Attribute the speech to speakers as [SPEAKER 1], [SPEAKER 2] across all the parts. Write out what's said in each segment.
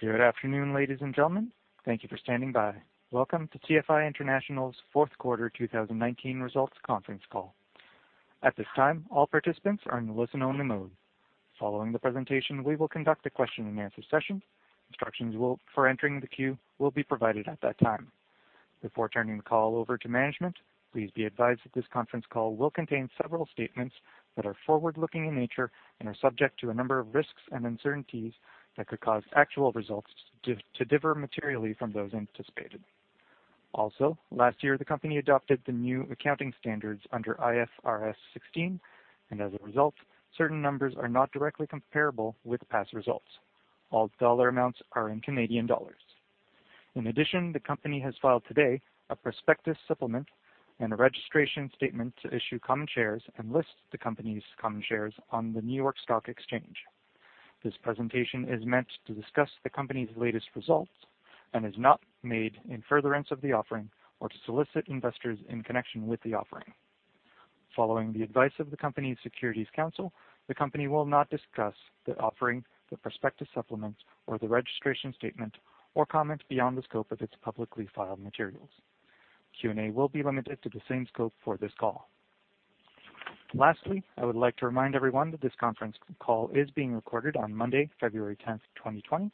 [SPEAKER 1] Good afternoon, ladies and gentlemen. Thank you for standing by. Welcome to TFI International's fourth quarter 2019 results conference call. At this time, all participants are in listen only mode. Following the presentation, we will conduct a question and answer session. Instructions for entering the queue will be provided at that time. Before turning the call over to management, please be advised that this conference call will contain several statements that are forward-looking in nature and are subject to a number of risks and uncertainties that could cause actual results to differ materially from those anticipated. Also, last year, the company adopted the new accounting standards under IFRS 16, and as a result, certain numbers are not directly comparable with past results. All dollar amounts are in Canadian dollars. In addition, the company has filed today a prospectus supplement and a registration statement to issue common shares and list the company's common shares on the New York Stock Exchange. This presentation is meant to discuss the company's latest results and is not made in furtherance of the offering or to solicit investors in connection with the offering. Following the advice of the company's securities counsel, the company will not discuss the offering, the prospectus supplement, or the registration statement, or comment beyond the scope of its publicly filed materials. Q&A will be limited to the same scope for this call. Lastly, I would like to remind everyone that this conference call is being recorded on Monday, February 10th, 2020.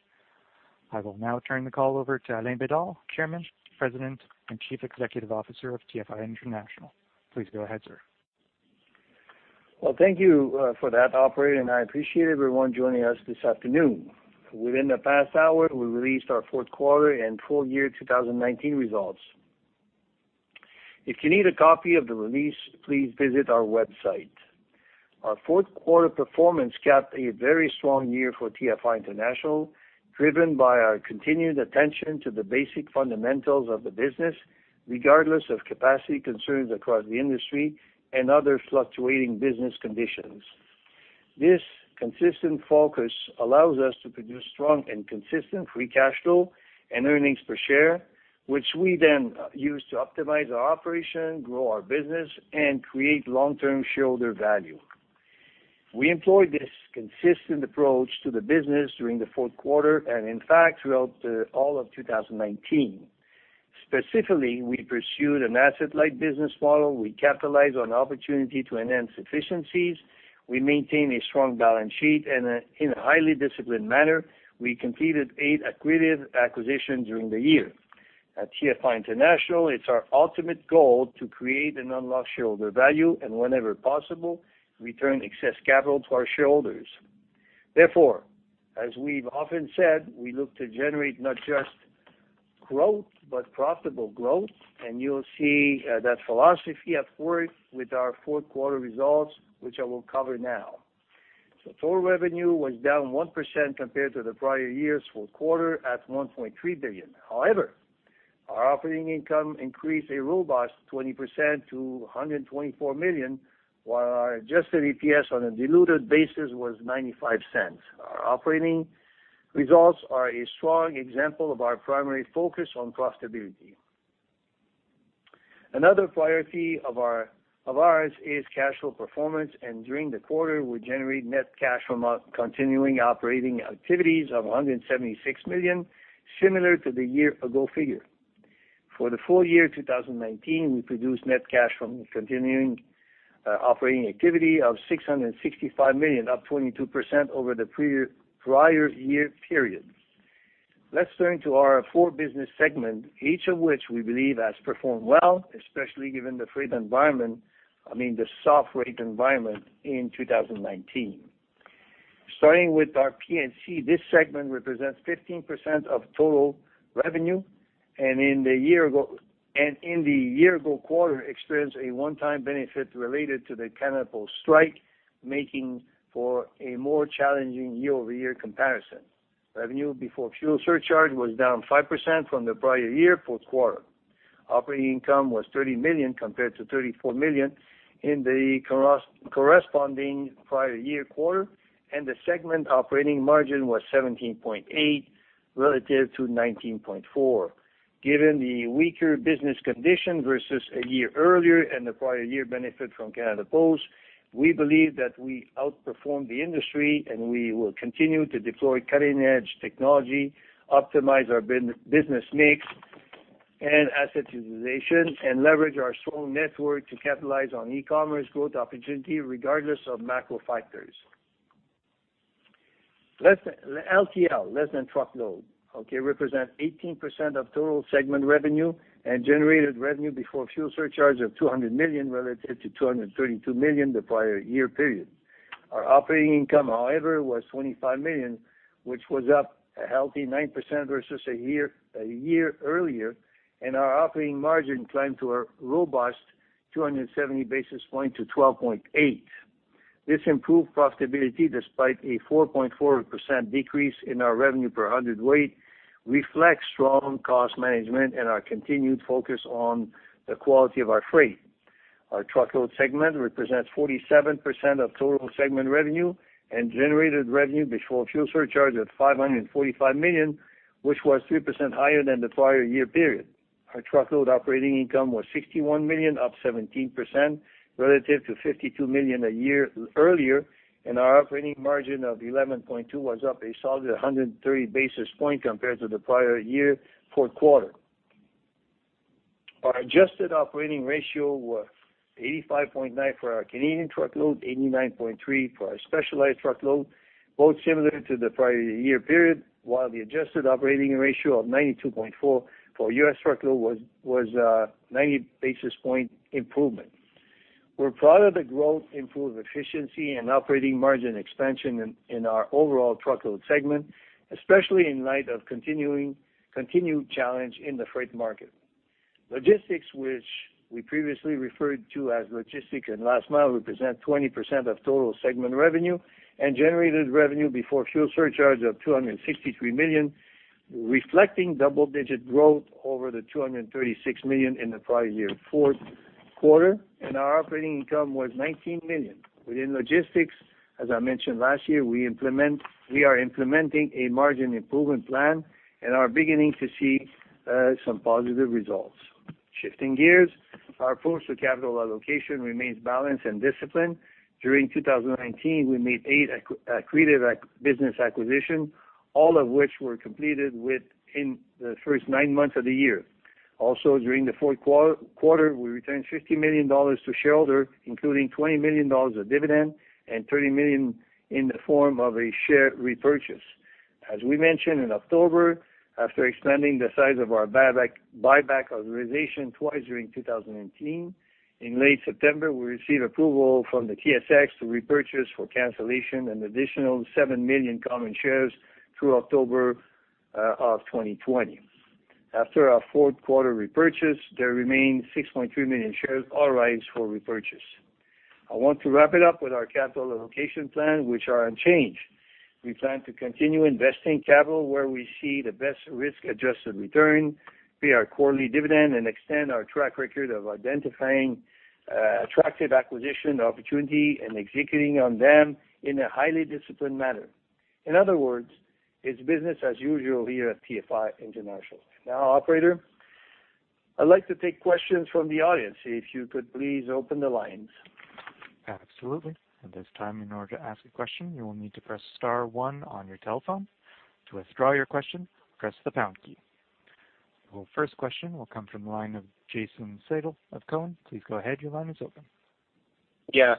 [SPEAKER 1] I will now turn the call over to Alain Bédard, Chairman, President, and Chief Executive Officer of TFI International. Please go ahead, sir.
[SPEAKER 2] Well, thank you for that, operator, and I appreciate everyone joining us this afternoon. Within the past hour, we released our fourth quarter and full-year 2019 results. If you need a copy of the release, please visit our website. Our fourth quarter performance capped a very strong year for TFI International, driven by our continued attention to the basic fundamentals of the business, regardless of capacity concerns across the industry and other fluctuating business conditions. This consistent focus allows us to produce strong and consistent free cash flow and earnings per share, which we then use to optimize our operation, grow our business, and create long-term shareholder value. We employ this consistent approach to the business during the fourth quarter and in fact, throughout all of 2019. We pursued an asset-light business model. We capitalize on opportunity to enhance efficiencies. We maintain a strong balance sheet in a highly disciplined manner. We completed eight accretive acquisitions during the year. At TFI International, it's our ultimate goal to create and unlock shareholder value and whenever possible, return excess capital to our shareholders. As we've often said, we look to generate not just growth, but profitable growth, and you'll see that philosophy at work with our fourth quarter results, which I will cover now. Total revenue was down 1% compared to the prior year's fourth quarter at 1.3 billion. However, our operating income increased a robust 20% to 124 million, while our adjusted EPS on a diluted basis was 0.95. Our operating results are a strong example of our primary focus on profitability. Another priority of ours is cash flow performance. During the quarter, we generated net cash from continuing operating activities of 176 million, similar to the year-ago figure. For the full-year 2019, we produced net cash from continuing operating activity of 665 million, up 22% over the prior year period. Let's turn to our four business segments, each of which we believe has performed well, especially given the freight environment, I mean, the soft rate environment in 2019. Starting with our P&C, this segment represents 15% of total revenue. In the year-ago quarter, experienced a one-time benefit related to the Canada Post strike, making for a more challenging year-over-year comparison. Revenue before fuel surcharge was down 5% from the prior year fourth quarter. Operating income was 30 million compared to 34 million in the corresponding prior year quarter. The segment operating margin was 17.8% relative to 19.4%. Given the weaker business condition versus a year earlier and the prior year benefit from Canada Post, we believe that we outperformed the industry and we will continue to deploy cutting-edge technology, optimize our business mix and asset utilization, and leverage our strong network to capitalize on e-commerce growth opportunity regardless of macro factors. LTL, Less-Than-Truckload, okay, represents 18% of total segment revenue and generated revenue before fuel surcharge of 200 million relative to 232 million the prior year period. Our operating income, however, was 25 million, which was up a healthy 9% versus a year earlier, and our operating margin climbed to a robust 270 basis points to 12.8%. This improved profitability, despite a 4.4% decrease in our revenue per 100 weight, reflects strong cost management and our continued focus on the quality of our freight. Our Truckload segment represents 47% of total segment revenue and generated revenue before fuel surcharge of 545 million, which was 3% higher than the prior year period. Our Truckload operating income was 61 million, up 17%, relative to 52 million a year earlier. Our operating margin of 11.2% was up a solid 130 basis points compared to the prior year fourth quarter. Our adjusted operating ratio was 85.9% for our Canadian Truckload, 89.3% for our specialized Truckload, both similar to the prior year period, while the adjusted operating ratio of 92.4% for U.S. Truckload was a 90 basis point improvement. We're proud of the growth, improved efficiency, and operating margin expansion in our overall Truckload segment, especially in light of continued challenge in the freight market. Logistics, which we previously referred to as Logistics and Last-Mile, represent 20% of total segment revenue and generated revenue before fuel surcharge of 263 million, reflecting double-digit growth over the 236 million in the prior year fourth quarter, and our operating income was 19 million. Within Logistics, as I mentioned last year, we are implementing a margin improvement plan and are beginning to see some positive results. Shifting gears, our approach to capital allocation remains balanced and disciplined. During 2019, we made eight accretive business acquisitions, all of which were completed within the first nine months of the year. Also, during the fourth quarter, we returned 50 million dollars to shareholders, including 20 million dollars of dividend and 30 million in the form of a share repurchase. As we mentioned in October, after expanding the size of our buyback authorization twice during 2019, in late September, we received approval from the TSX to repurchase, for cancellation, an additional 7 million common shares through October of 2020. After our fourth quarter repurchase, there remains 6.3 million shares authorized for repurchase. I want to wrap it up with our capital allocation plan, which are unchanged. We plan to continue investing capital where we see the best risk-adjusted return, pay our quarterly dividend, and extend our track record of identifying attractive acquisition opportunity and executing on them in a highly disciplined manner. In other words, it's business as usual here at TFI International. Operator, I'd like to take questions from the audience. If you could please open the lines.
[SPEAKER 1] Absolutely. At this time, in order to ask a question, you will need to press star one on your telephone. To withdraw your question, press the pound key. Our first question will come from the line of Jason Seidl of Cowen. Please go ahead, your line is open.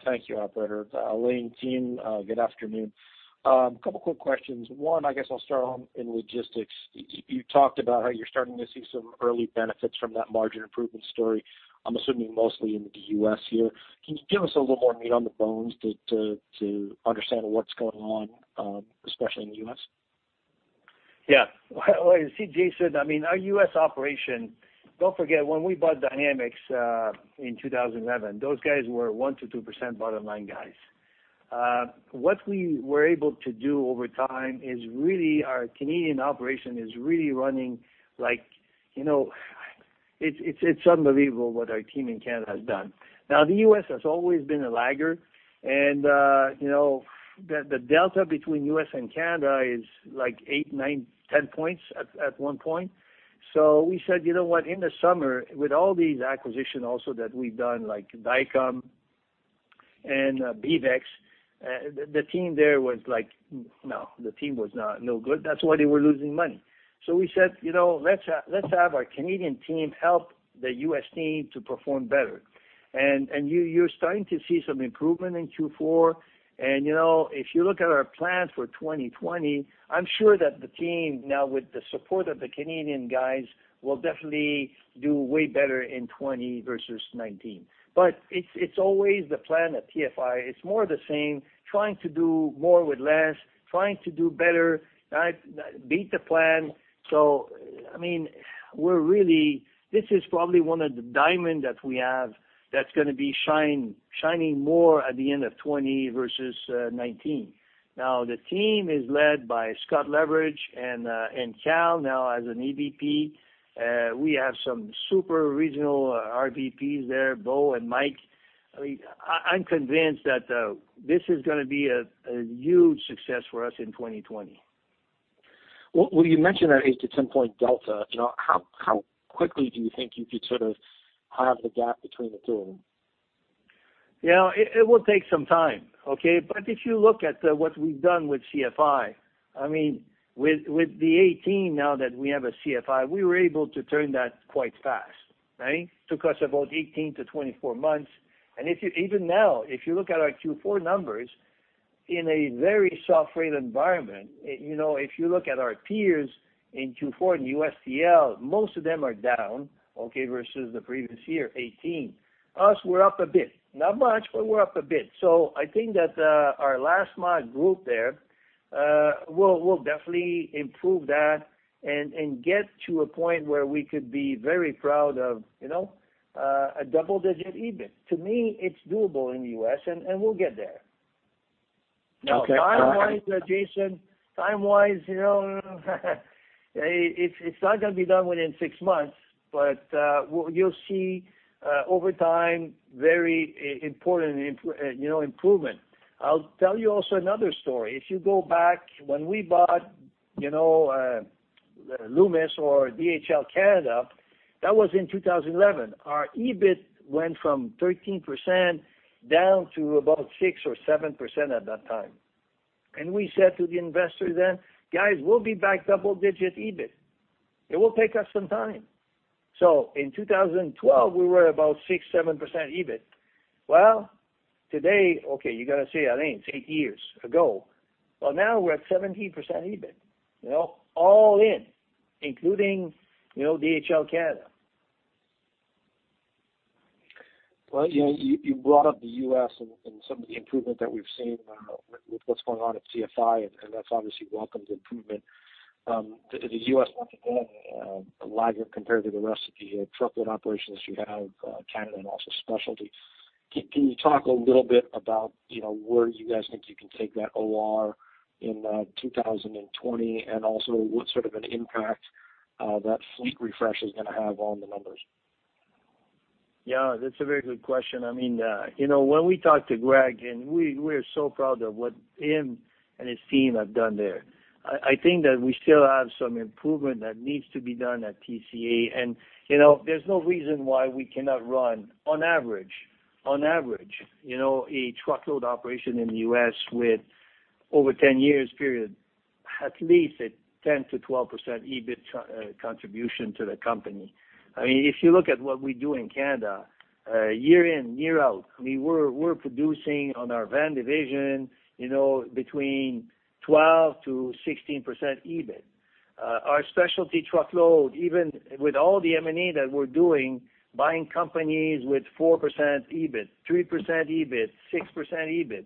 [SPEAKER 3] Thank you, operator. Alain, team, good afternoon. Couple quick questions. One, I guess I'll start on in Logistics. You talked about how you're starting to see some early benefits from that margin improvement story. I'm assuming mostly in the U.S. here. Can you give us a little more meat on the bones to understand what's going on, especially in the U.S.?
[SPEAKER 2] Well, you see, Jason, our U.S. operation, don't forget, when we bought Dynamex in 2011, those guys were 1%-2% bottom-line guys. What we were able to do over time is really our Canadian operation is really running like It's unbelievable what our team in Canada has done. The U.S. has always been a lagger, the delta between U.S. and Canada is like eight, nine, 10 points at one point. We said, "You know what? In the summer, with all these acquisitions also that we've done, like Dicom and BeavEx," the team there was like, no. The team was no good. That's why they were losing money. We said, "Let's have our Canadian team help the U.S. team to perform better." You're starting to see some improvement in Q4. If you look at our plans for 2020, I'm sure that the team, now with the support of the Canadian guys, will definitely do way better in 2020 versus 2019. It's always the plan at TFI. It's more the same, trying to do more with less, trying to do better, beat the plan. This is probably one of the diamond that we have that's going to be shining more at the end of 2020 versus 2019. The team is led by Scott Leveridge and Kal now as an EVP. We have some super regional RVPs there, Bo and Mike. I'm convinced that this is going to be a huge success for us in 2020.
[SPEAKER 3] Well, you mentioned that 8-10-point delta. How quickly do you think you could sort of halve the gap between the two of them?
[SPEAKER 2] It will take some time, okay? If you look at what we've done with CFI, with the 18 now that we have a CFI, we were able to turn that quite fast, right? Took us about 18-24 months. Even now, if you look at our Q4 numbers, in a very soft rate environment, if you look at our peers in Q4, in U.S. TL, most of them are down, okay, versus the previous year, 2018. Us, we're up a bit. Not much, but we're up a bit. I think that our last mile group there will definitely improve that and get to a point where we could be very proud of a double-digit EBIT. To me, it's doable in the U.S., and we'll get there.
[SPEAKER 3] Okay. All right.
[SPEAKER 2] Time-wise, Jason, time-wise, it's not going to be done within six months, but you'll see, over time, very important improvement. I'll tell you also another story. If you go back when we bought Loomis or DHL Canada, that was in 2011. Our EBIT went from 13% down to about 6% or 7% at that time. We said to the investor then, "Guys, we'll be back double-digit EBIT. It will take us some time." In 2012, we were about 6%, 7% EBIT. Today, okay, you got to say, Alain, it's eight years ago. Now we're at 17% EBIT. All in, including DHL Canada.
[SPEAKER 3] You brought up the U.S. and some of the improvement that we've seen with what's going on at TFI, that's obviously welcomed improvement. The U.S., once again, larger compared to the rest of the Truckload operations you have, Canada and also Specialty. Can you talk a little bit about where you guys think you can take that OR in 2020 and also what sort of an impact that fleet refresh is going to have on the numbers?
[SPEAKER 2] That's a very good question. When we talked to Greg, we're so proud of what him and his team have done there. I think that we still have some improvement that needs to be done at TCA. There's no reason why we cannot run, on average, a Truckload operation in the U.S. with over 10 years period, at least a 10%-12% EBIT contribution to the company. If you look at what we do in Canada, year in, year out, we're producing on our van division between 12%-16% EBIT. Our specialty Truckload, even with all the M&A that we're doing, buying companies with 4% EBIT, 3% EBIT, 6% EBIT.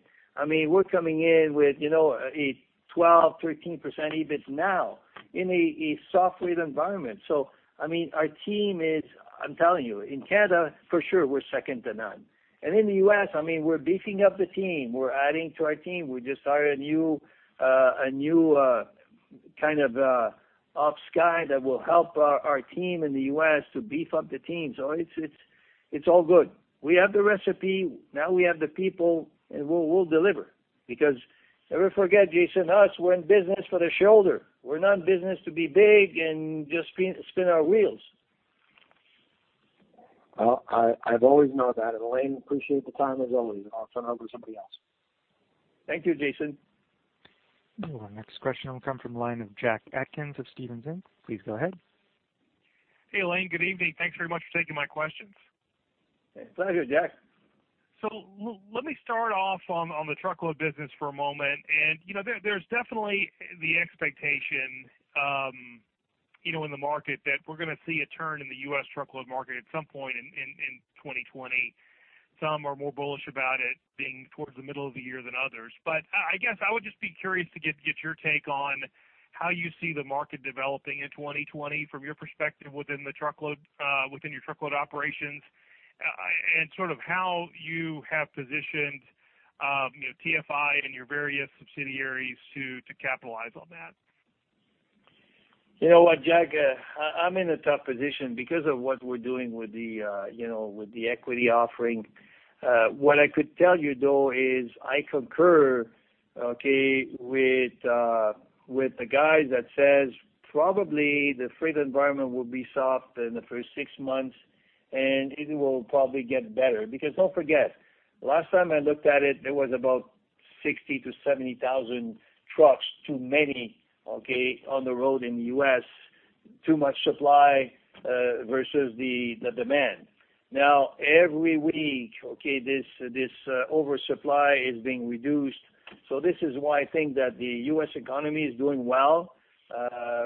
[SPEAKER 2] We're coming in with a 12%, 13% EBIT now in a soft freight environment. Our team is, I'm telling you, in Canada, for sure, we're second to none. In the U.S., we're beefing up the team. We're adding to our team. We just hired a new kind of Offsky that will help our team in the U.S. to beef up the team. It's all good. We have the recipe, now we have the people, and we'll deliver because never forget, Jason, us, we're in business for the shoulder. We're not in business to be big and just spin our wheels.
[SPEAKER 3] Well, I've always known that. Alain, appreciate the time as always. I'll turn it over to somebody else.
[SPEAKER 2] Thank you, Jason.
[SPEAKER 1] Our next question will come from the line of Jack Atkins of Stephens Inc.. Please go ahead.
[SPEAKER 4] Hey, Alain, good evening. Thanks very much for taking my questions.
[SPEAKER 2] Pleasure, Jack.
[SPEAKER 4] Let me start off on the Truckload business for a moment. There's definitely the expectation in the market that we're going to see a turn in the U.S. Truckload market at some point in 2020. Some are more bullish about it being towards the middle of the year than others. I guess I would just be curious to get your take on how you see the market developing in 2020 from your perspective within your Truckload operations and how you have positioned TFI and your various subsidiaries to capitalize on that.
[SPEAKER 2] You know what, Jack, I'm in a tough position because of what we're doing with the equity offering. What I could tell you, though, is I concur, okay, with the guys that says probably the freight environment will be soft in the first six months, and it will probably get better. Don't forget, last time I looked at it, there was about 60,000-70,000 trucks, too many, okay, on the road in the U.S.. Too much supply versus the demand. Every week, okay, this oversupply is being reduced. This is why I think that the U.S. economy is doing well.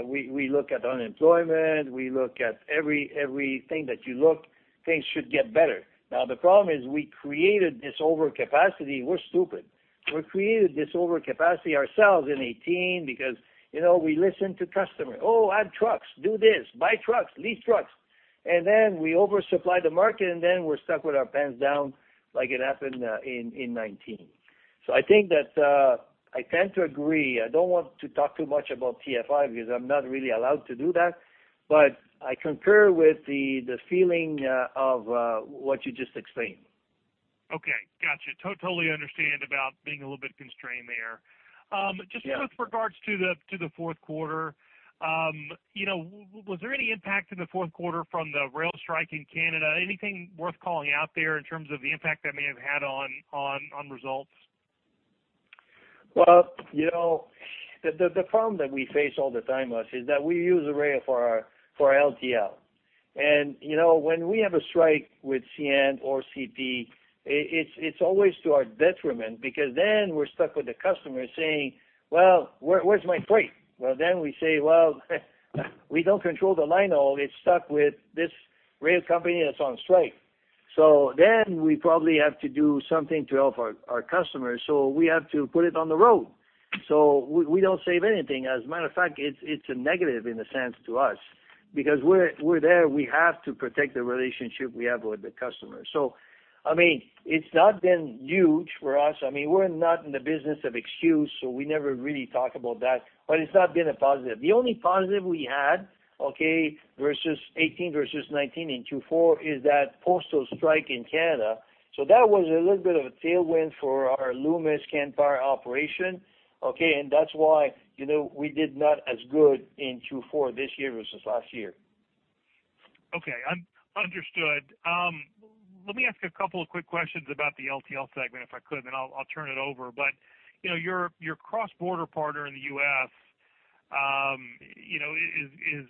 [SPEAKER 2] We look at unemployment, we look at everything that you look, things should get better. The problem is we created this overcapacity. We're stupid. We created this overcapacity ourselves in 2018 because we listened to customers. Oh, add trucks, do this, buy trucks, lease trucks. Then we oversupply the market, and then we're stuck with our pants down like it happened in 2019. I think that I tend to agree. I don't want to talk too much about TFI because I'm not really allowed to do that. I concur with the feeling of what you just explained.
[SPEAKER 4] Okay. Got you. Totally understand about being a little bit constrained there. Just with regards to the fourth quarter, was there any impact in the fourth quarter from the rail strike in Canada? Anything worth calling out there in terms of the impact that may have had on results?
[SPEAKER 2] Well, the problem that we face all the time, us, is that we use a rail for our LTL. When we have a strike with CN or CP, it's always to our detriment because then we're stuck with the customer saying, "Well, where's my freight?" Then we say, "Well, we don't control the line-haul. It's stuck with this rail company that's on strike." Then we probably have to do something to help our customers. We have to put it on the road. We don't save anything. As a matter of fact, it's a negative in a sense to us. Because we're there, we have to protect the relationship we have with the customer. It's not been huge for us. We're not in the business of excuse, so we never really talk about that, but it's not been a positive. The only positive we had, versus 2018, versus 2019 in Q4 is that postal strike in Canada. That was a little bit of a tailwind for our Loomis Express operation. Okay. That's why, we did not as good in Q4 this year versus last year.
[SPEAKER 4] Okay. Understood. Let me ask a couple of quick questions about the LTL segment, if I could, then I'll turn it over. Your cross-border partner in the U.S. is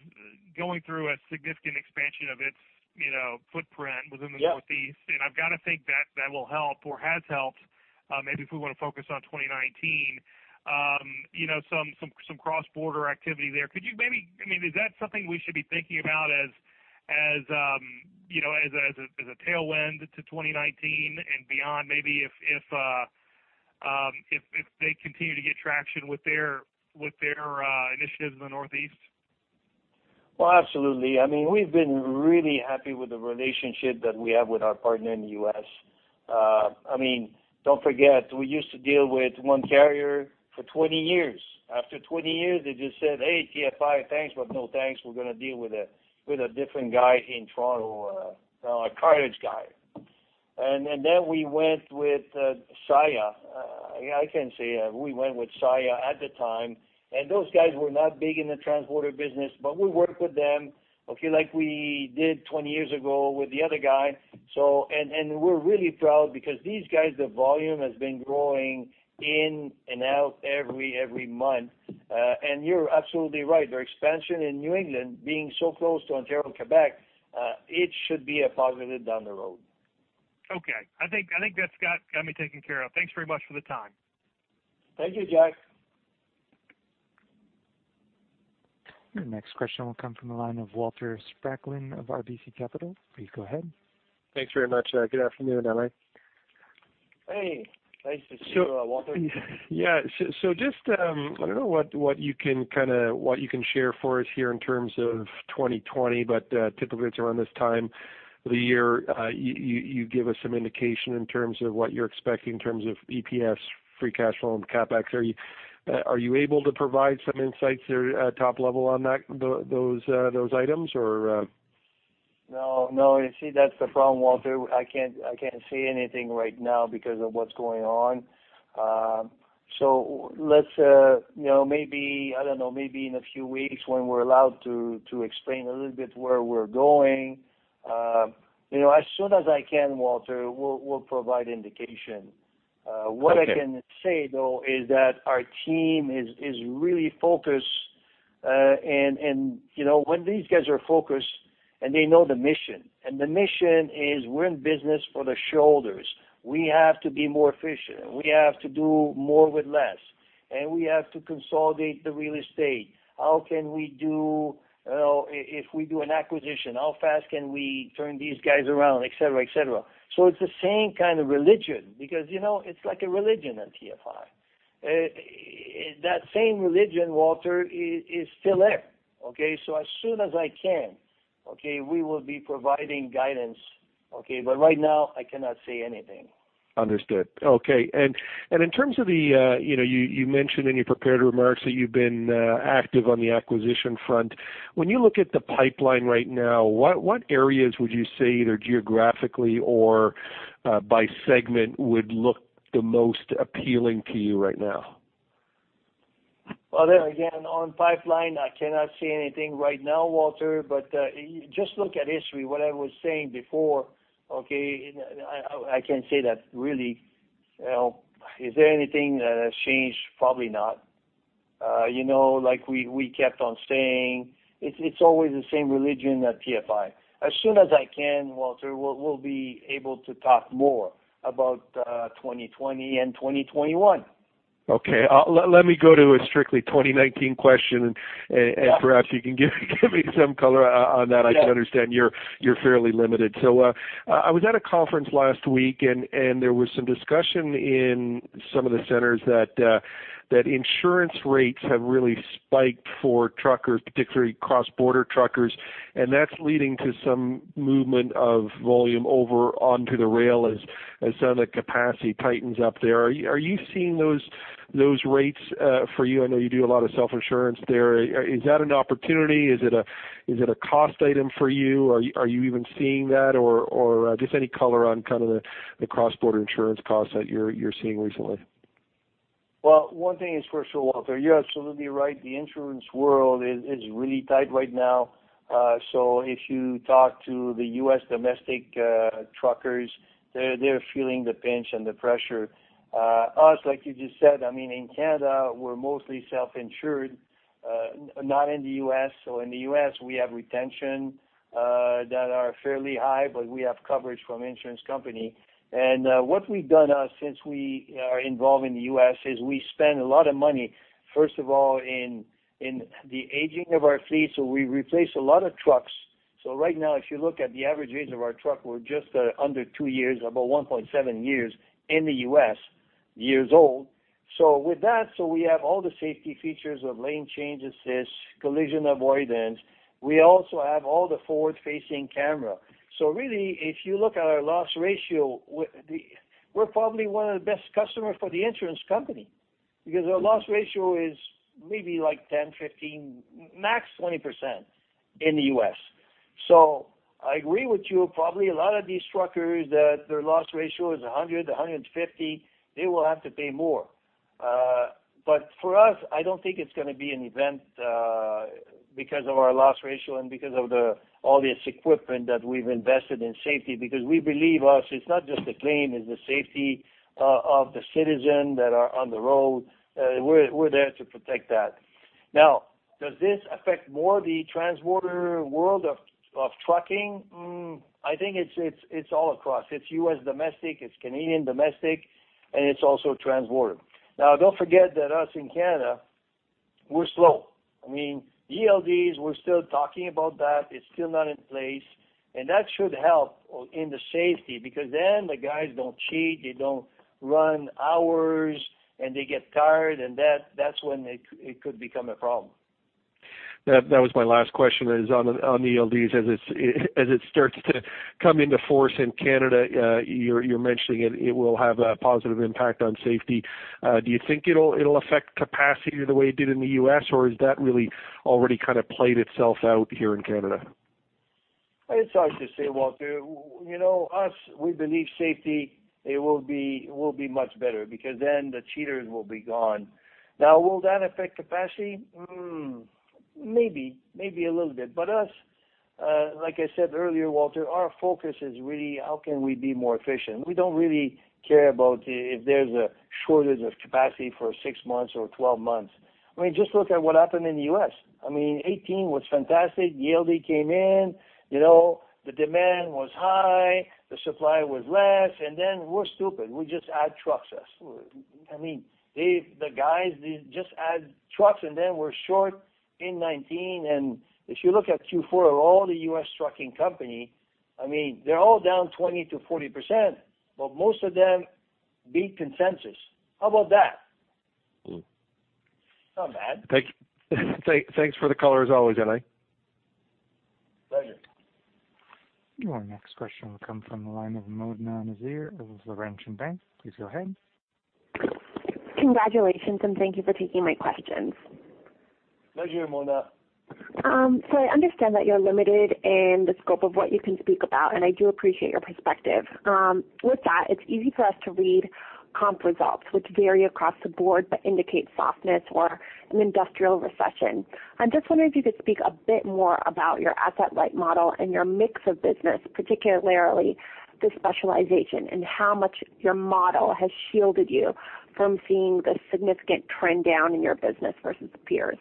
[SPEAKER 4] going through a significant expansion of its footprint within the Northeast.
[SPEAKER 2] Yeah.
[SPEAKER 4] I've got to think that will help or has helped, maybe if we want to focus on 2019, some cross-border activity there. Is that something we should be thinking about as a tailwind to 2019 and beyond, maybe if they continue to get traction with their initiatives in the Northeast?
[SPEAKER 2] Well, absolutely. We've been really happy with the relationship that we have with our partner in the U.S. Don't forget, we used to deal with one carrier for 20 years. After 20 years, they just said, "Hey, TFI, thanks, but no thanks. We're going to deal with a different guy in Toronto, a Cartage guy." We went with Saia. I can say we went with Saia at the time, and those guys were not big in the transporter business, but we worked with them, like we did 20 years ago with the other guy. We're really proud because these guys, the volume has been growing in and out every month. You're absolutely right. Their expansion in New England, being so close to Ontario and Quebec, it should be a positive down the road.
[SPEAKER 4] Okay. I think that's got me taken care of. Thanks very much for the time.
[SPEAKER 2] Thank you, Jack.
[SPEAKER 1] Your next question will come from the line of Walter Spracklin of RBC Capital. Please go ahead.
[SPEAKER 5] Thanks very much. Good afternoon, Alain.
[SPEAKER 2] Hey, nice to see you, Walter.
[SPEAKER 5] Yeah. Just, I don't know what you can share for us here in terms of 2020. Typically it's around this time of the year, you give us some indication in terms of what you're expecting in terms of EPS, free cash flow, and CapEx. Are you able to provide some insights there at top level on those items?
[SPEAKER 2] No. You see, that's the problem, Walter. I can't say anything right now because of what's going on. Maybe in a few weeks when we're allowed to explain a little bit where we're going. As soon as I can, Walter, we'll provide indication.
[SPEAKER 5] Okay.
[SPEAKER 2] What I can say, though, is that our team is really focused. When these guys are focused and they know the mission, and the mission is we're in business for the shareholders. We have to be more efficient. We have to do more with less, and we have to consolidate the real estate. If we do an acquisition, how fast can we turn these guys around, et cetera. It's the same kind of religion because it's like a religion at TFI. That same religion, Walter, is still there. Okay, as soon as I can, we will be providing guidance. Okay. Right now, I cannot say anything.
[SPEAKER 5] Understood. Okay. In terms of the, you mentioned in your prepared remarks that you've been active on the acquisition front. When you look at the pipeline right now, what areas would you say, either geographically or by segment, would look the most appealing to you right now?
[SPEAKER 2] Well, there again, on pipeline, I cannot say anything right now, Walter. Just look at history, what I was saying before, okay, I can say that really, is there anything that has changed? Probably not. Like we kept on saying, it's always the same religion at TFI. As soon as I can, Walter, we'll be able to talk more about 2020 and 2021.
[SPEAKER 5] Okay. Let me go to a strictly 2019 question.
[SPEAKER 2] Yeah.
[SPEAKER 5] Perhaps you can give me some color on that.
[SPEAKER 2] Yeah.
[SPEAKER 5] I understand you're fairly limited. I was at a conference last week, and there was some discussion in some of the centers that insurance rates have really spiked for truckers, particularly cross-border truckers, and that's leading to some movement of volume over onto the rail as some of the capacity tightens up there. Are you seeing those rates for you? I know you do a lot of self-insurance there. Is that an opportunity? Is it a cost item for you? Are you even seeing that or just any color on the cross-border insurance costs that you're seeing recently?
[SPEAKER 2] One thing is for sure, Walter, you're absolutely right. The insurance world is really tight right now. If you talk to the U.S. domestic truckers, they're feeling the pinch and the pressure. Us, like you just said, in Canada, we're mostly self-insured. Not in the U.S.. In the U.S., we have retention that are fairly high, but we have coverage from insurance company. What we've done since we are involved in the U.S. is we spend a lot of money, first of all, in the aging of our fleet. We replace a lot of trucks. Right now, if you look at the average age of our truck, we're just under two years, about 1.7 years in the U.S. years old. With that, we have all the safety features of lane change assist, collision avoidance. We also have all the forward-facing camera. Really, if you look at our loss ratio, we're probably one of the best customer for the insurance company, because our loss ratio is maybe 10%, 15%, max 20% in the U.S.. I agree with you, probably a lot of these truckers that their loss ratio is 100%, 150%, they will have to pay more. For us, I don't think it's going to be an event because of our loss ratio and because of all this equipment that we've invested in safety, because we believe us, it's not just the claim, it's the safety of the citizen that are on the road. We're there to protect that. Does this affect more the transborder world of trucking? I think it's all across. It's U.S. domestic, it's Canadian domestic, and it's also transborder. Don't forget that us in Canada, we're slow. ELDs, we're still talking about that. It's still not in place. That should help in the safety because then the guys don't cheat, they don't run hours, and they get tired and that's when it could become a problem.
[SPEAKER 5] That was my last question is on ELDs, as it starts to come into force in Canada, you're mentioning it will have a positive impact on safety. Do you think it'll affect capacity the way it did in the U.S., or has that really already kind of played itself out here in Canada?
[SPEAKER 2] It's hard to say, Walter. Us, we believe safety, it will be much better because the cheaters will be gone. Will that affect capacity? Maybe a little bit. Us, like I said earlier, Walter, our focus is really how can we be more efficient? We don't really care about if there's a shortage of capacity for six months or 12 months. Just look at what happened in the U.S. 2018 was fantastic. ELD came in, the demand was high, the supply was less, we're stupid. We just add trucks. I mean, the guys, they just add trucks, we're short in 2019. If you look at Q4 of all the U.S. trucking company, they're all down 20%-40%, most of them beat consensus. How about that? It's not bad.
[SPEAKER 5] Thanks for the color as always, Alain.
[SPEAKER 2] Pleasure.
[SPEAKER 1] Our next question will come from the line of Mona Nazir of Laurentian Bank. Please go ahead.
[SPEAKER 6] Congratulations, and thank you for taking my questions.
[SPEAKER 2] Pleasure, Mona.
[SPEAKER 6] I understand that you're limited in the scope of what you can speak about, and I do appreciate your perspective. With that, it's easy for us to read comp results, which vary across the board but indicate softness or an industrial recession. I'm just wondering if you could speak a bit more about your asset-light model and your mix of business, particularly the specialization, and how much your model has shielded you from seeing the significant trend down in your business versus peers?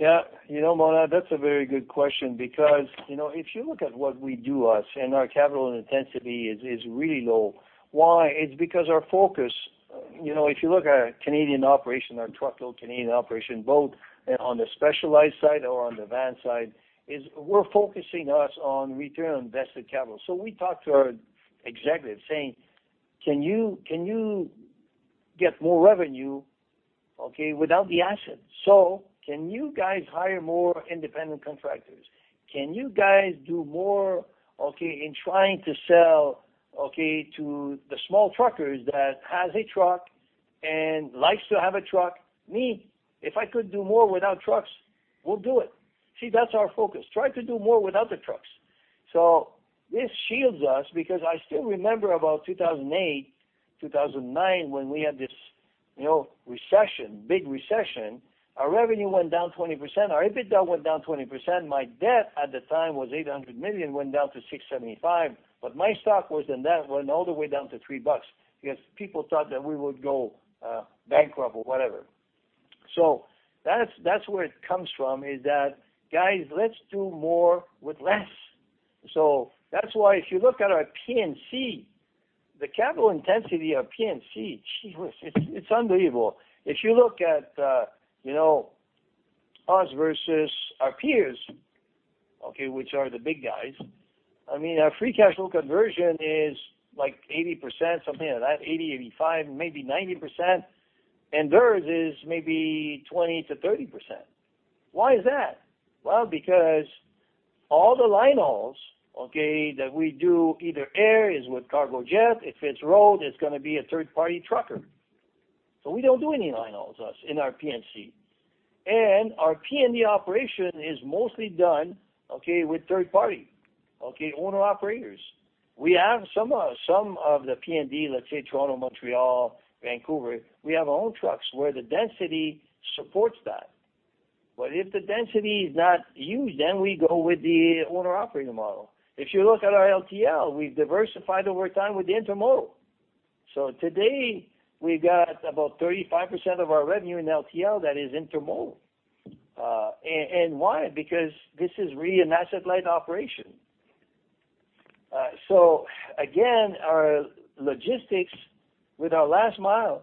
[SPEAKER 2] Yeah. Mona, that's a very good question. If you look at what we do, us and our capital intensity is really low. Why? Our focus, if you look at our Canadian operation, our Truckload Canadian operation, both on the specialized side or on the van side, is we're focusing us on return on invested capital. We talk to our executives saying, "Can you get more revenue without the assets? Can you guys hire more independent contractors? Can you guys do more in trying to sell to the small truckers that has a truck and likes to have a truck?" Me, if I could do more without trucks, we'll do it. That's our focus. Try to do more without the trucks. This shields us because I still remember about 2008, 2009, when we had this recession, big recession. Our revenue went down 20%, our EBITDA went down 20%. My debt at the time was 800 million, went down to 675 million. My stock was the net, went all the way down to 3 bucks because people thought that we would go bankrupt or whatever. That's where it comes from, is that, "Guys, let's do more with less." That's why if you look at our P&C, the capital intensity of P&C, geez, it's unbelievable. If you look at us versus our peers, which are the big guys, our free cash flow conversion is like 80%, something like that, 80%, 85%, maybe 90%. Theirs is maybe 20%-30%. Why is that? Well, because all the line hauls that we do, either air is with Cargojet. If it's road, it's going to be a third-party trucker. We don't do any line hauls, us, in our P&C. Our P&D operation is mostly done with third party, owner-operators. We have some of the P&D, let's say Toronto, Montreal, Vancouver. We have our own trucks where the density supports that. If the density is not huge, we go with the owner-operator model. If you look at our LTL, we've diversified over time with the intermodal. Today we got about 35% of our revenue in LTL that is intermodal. Why? Because this is really an asset-light operation. Again, our Logistics with our last mile,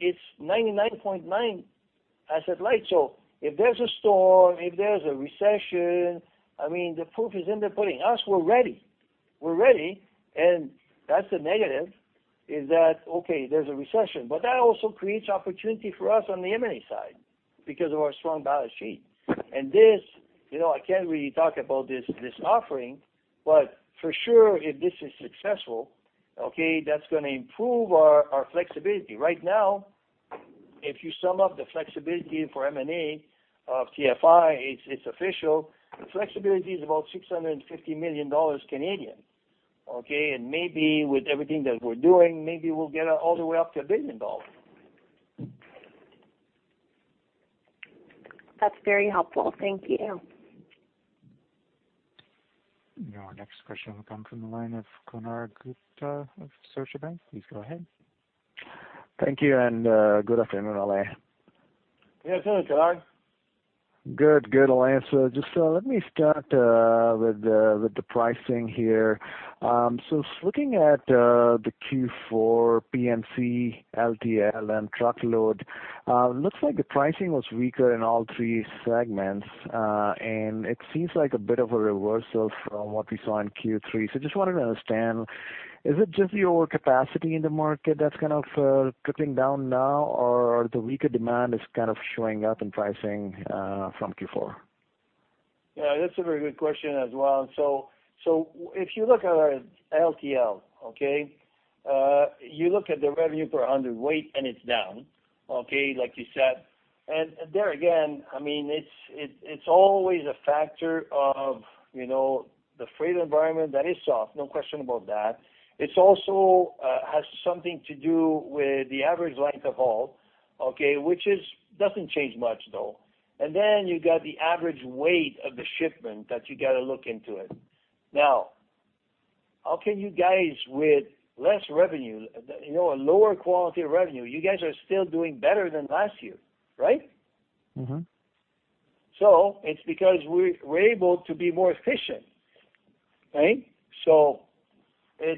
[SPEAKER 2] it's 99.9% asset-light. If there's a storm, if there's a recession, the proof is in the pudding. Us, we're ready. We're ready, that's the negative, is that, okay, there's a recession, that also creates opportunity for us on the M&A side because of our strong balance sheet. This, I can't really talk about this offering, for sure, if this is successful, okay, that's going to improve our flexibility. Right now, if you sum up the flexibility for M&A of TFI, it's official. The flexibility is about 650 million Canadian dollars. Okay. Maybe with everything that we're doing, maybe we'll get all the way up to 1 billion dollars.
[SPEAKER 6] That's very helpful. Thank you.
[SPEAKER 1] Now our next question will come from the line of Konark Gupta of Scotiabank. Please go ahead.
[SPEAKER 7] Thank you, and good afternoon, Alain.
[SPEAKER 2] Good afternoon, Konark.
[SPEAKER 7] Good. Good, Alain. Just let me start with the pricing here. Looking at the Q4 P&C, LTL, and Truckload, looks like the pricing was weaker in all three segments. It seems like a bit of a reversal from what we saw in Q3. Just wanted to understand, is it just the overcapacity in the market that's kind of trickling down now, or the weaker demand is kind of showing up in pricing, from Q4?
[SPEAKER 2] Yeah, that's a very good question as well. If you look at our LTL, okay? You look at the revenue per hundred weight, and it's down, okay, like you said. There again, it's always a factor of the freight environment that is soft, no question about that. It also has something to do with the average length of haul, okay, which doesn't change much, though. You got the average weight of the shipment that you got to look into it. How can you guys, with less revenue, a lower quality of revenue, you guys are still doing better than last year, right? It's because we're able to be more efficient, right? The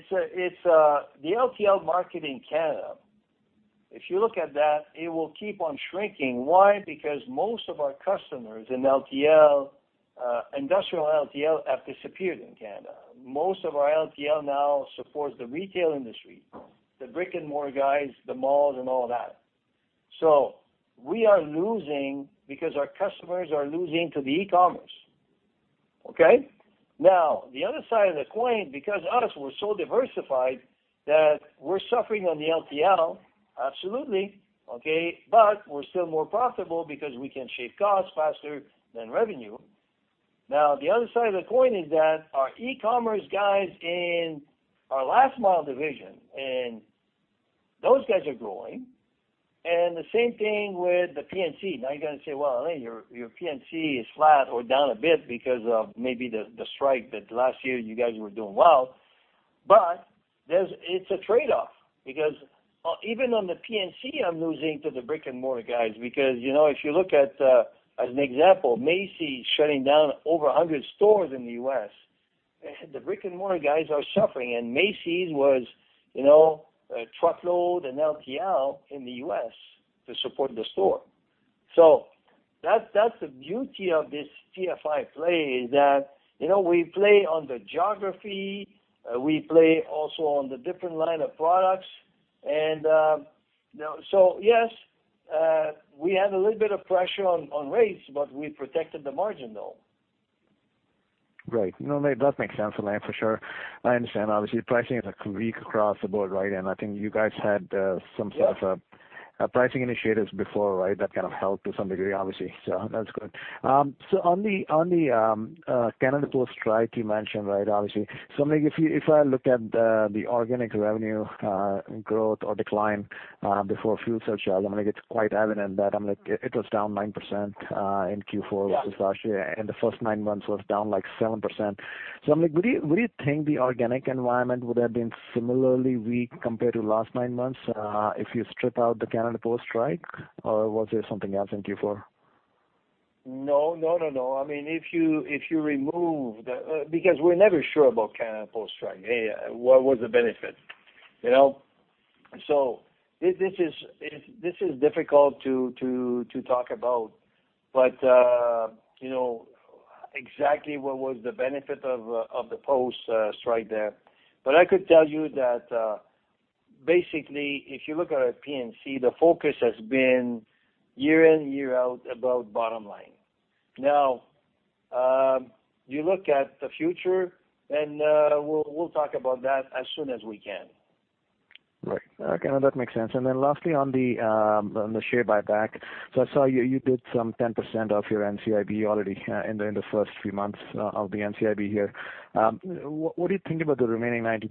[SPEAKER 2] LTL market in Canada, if you look at that, it will keep on shrinking. Why? Because most of our customers in LTL, industrial LTL have disappeared in Canada. Most of our LTL now supports the retail industry, the brick-and-mortar guys, the malls and all that. We are losing because our customers are losing to the e-commerce. Okay? The other side of the coin, because us, we're so diversified that we're suffering on the LTL, absolutely, okay, but we're still more profitable because we can shave costs faster than revenue. The other side of the coin is that our e-commerce guys in our last mile division, and those guys are growing, and the same thing with the P&C. You're going to say, "Well, Alain, your P&C is flat or down a bit because of maybe the strike that last year you guys were doing well." It's a trade-off because even on the P&C, I'm losing to the brick-and-mortar guys because, if you look at, as an example, Macy's shutting down over 100 stores in the U.S. The brick-and-mortar guys are suffering, Macy's was a Truckload and LTL in the U.S. to support the store. That's the beauty of this TFI play, is that we play on the geography, we play also on the different line of products. Yes, we had a little bit of pressure on rates, we protected the margin, though.
[SPEAKER 7] Right. That makes sense, Alain, for sure. I understand. Obviously, pricing is weak across the board, right? I think you guys had some-
[SPEAKER 2] Yeah.
[SPEAKER 7] Sort of pricing initiatives before, right? That kind of helped to some degree, obviously. That's good. On the Canada Post strike you mentioned, right, obviously. If I look at the organic revenue growth or decline, before fuel surcharges, it's quite evident that it was down 9% in Q4 versus last year, and the first nine months was down like 7%. Do you think the organic environment would have been similarly weak compared to last nine months, if you strip out the Canada Post strike? Or was there something else in Q4?
[SPEAKER 2] No, I mean, if you remove the we're never sure about Canada Post strike. What was the benefit? This is difficult to talk about, exactly what was the benefit of the Post strike there. I could tell you that, basically, if you look at our P&C, the focus has been year in, year out, about bottom line. Now, you look at the future, we'll talk about that as soon as we can.
[SPEAKER 7] Right. Okay. No, that makes sense. Lastly on the share buyback. I saw you did some 10% of your NCIB already in the first three months of the NCIB here. What do you think about the remaining 90%?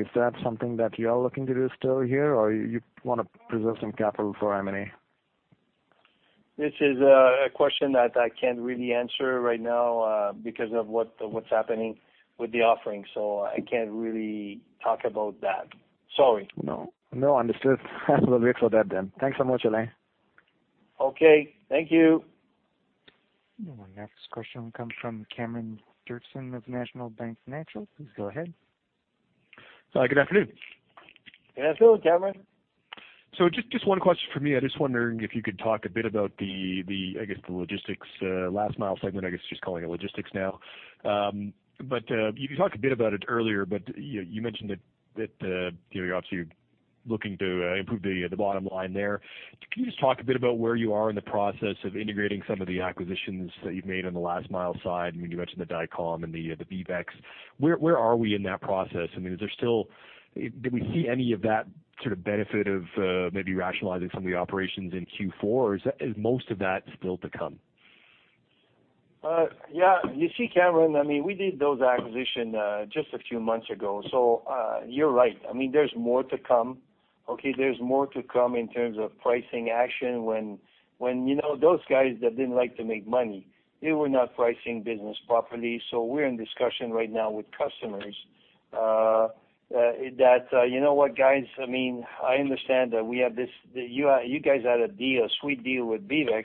[SPEAKER 7] Is that something that you are looking to do still here, or you want to preserve some capital for M&A?
[SPEAKER 2] This is a question that I can't really answer right now because of what's happening with the offering. I can't really talk about that. Sorry.
[SPEAKER 7] No. Understood. We'll wait for that then. Thanks so much, Alain.
[SPEAKER 2] Okay. Thank you.
[SPEAKER 1] Our next question comes from Cameron Doerksen of National Bank Financial. Please go ahead.
[SPEAKER 8] Hi. Good afternoon.
[SPEAKER 2] Good afternoon, Cameron.
[SPEAKER 8] Just one question from me. I'm just wondering if you could talk a bit about, I guess, the Logistics, Last-Mile segment, I guess just calling it Logistics now. You talked a bit about it earlier, but you mentioned that you're obviously looking to improve the bottom line there. Can you just talk a bit about where you are in the process of integrating some of the acquisitions that you've made on the last mile side? You mentioned the Dicom and the BeavEx. Where are we in that process? Did we see any of that sort of benefit of maybe rationalizing some of the operations in Q4, or is most of that still to come?
[SPEAKER 2] You see, Cameron, we did those acquisition just a few months ago. You're right. There's more to come. There's more to come in terms of pricing action when those guys that didn't like to make money, they were not pricing business properly. We're in discussion right now with customers, that, "You know what, guys? I understand that you guys had a sweet deal with BeavEx,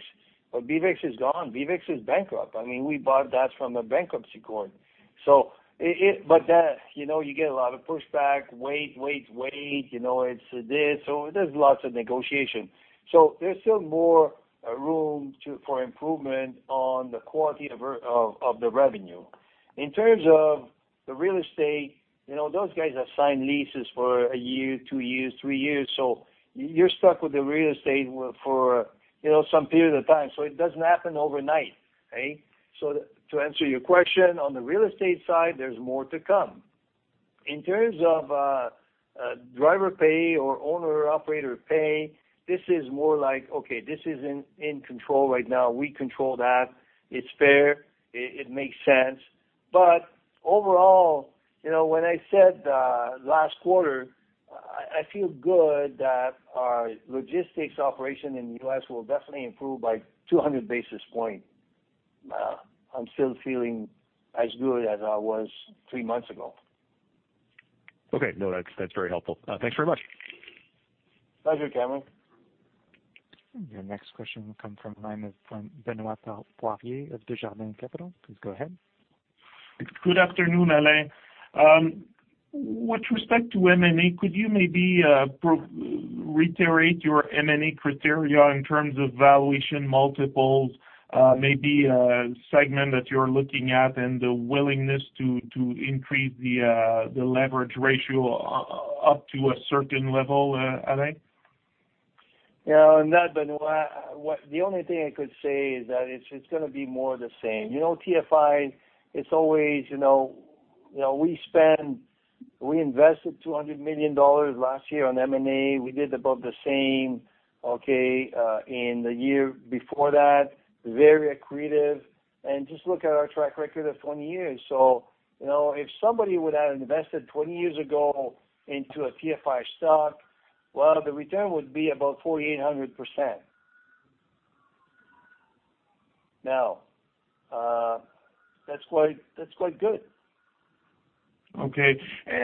[SPEAKER 2] but BeavEx is gone. BeavEx is bankrupt." We bought that from a bankruptcy court. You get a lot of pushback. Wait. It's this. There's lots of negotiation. There's still more room for improvement on the quality of the revenue. In terms of the real estate, those guys have signed leases for a year, two years, three years. You're stuck with the real estate for some period of time. It doesn't happen overnight. To answer your question, on the real estate side, there's more to come. In terms of driver pay or owner-operator pay, this is more like, okay, this is in control right now. We control that. It's fair. It makes sense. Overall, when I said last quarter, I feel good that our Logistics operation in the U.S. will definitely improve by 200 basis points. I'm still feeling as good as I was three months ago.
[SPEAKER 8] Okay. No, that's very helpful. Thanks very much.
[SPEAKER 2] Thank you, Cameron.
[SPEAKER 1] Your next question will come from the line of Benoit Poirier of Desjardins Capital. Please go ahead.
[SPEAKER 9] Good afternoon, Alain. With respect to M&A, could you maybe reiterate your M&A criteria in terms of valuation multiples, maybe a segment that you're looking at and the willingness to increase the leverage ratio up to a certain level, Alain?
[SPEAKER 2] On that, Benoit, the only thing I could say is that it's going to be more the same. TFI, we invested 200 million dollars last year on M&A. We did about the same in the year before that, very accretive. Just look at our track record of 20 years. If somebody would have invested 20 years ago into a TFI stock, well, the return would be about 4,800%. That's quite good.
[SPEAKER 9] Okay.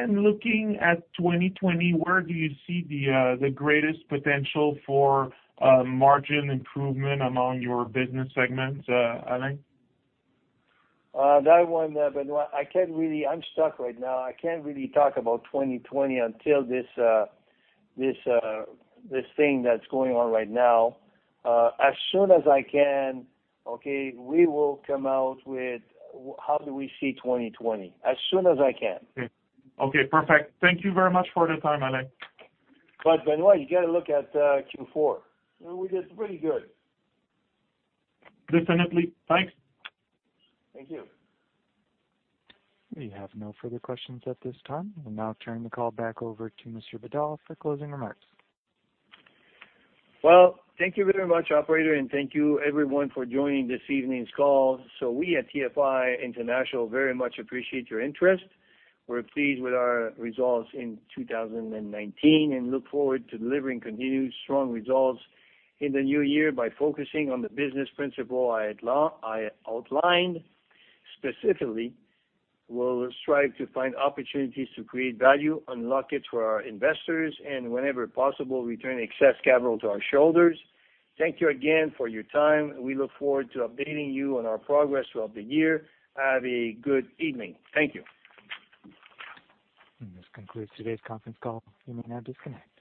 [SPEAKER 9] Looking at 2020, where do you see the greatest potential for margin improvement among your business segments, Alain?
[SPEAKER 2] That one, Benoit, I'm stuck right now. I can't really talk about 2020 until this thing that's going on right now. As soon as I can, we will come out with how do we see 2020. As soon as I can.
[SPEAKER 9] Okay, perfect. Thank you very much for the time, Alain.
[SPEAKER 2] Benoit, you got to look at Q4. We did pretty good.
[SPEAKER 9] Definitely. Thanks.
[SPEAKER 2] Thank you.
[SPEAKER 1] We have no further questions at this time. We'll now turn the call back over to Mr. Bédard for closing remarks.
[SPEAKER 2] Well, thank you very much, operator, and thank you everyone for joining this evening's call. We at TFI International very much appreciate your interest. We're pleased with our results in 2019 and look forward to delivering continued strong results in the new year by focusing on the business principle I outlined. Specifically, we'll strive to find opportunities to create value, unlock it for our investors, and whenever possible, return excess capital to our shareholders. Thank you again for your time. We look forward to updating you on our progress throughout the year. Have a good evening. Thank you.
[SPEAKER 1] This concludes today's conference call. You may now disconnect.